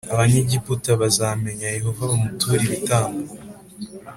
Abanyegiputa bazamenya Yehova bamuture ibitambo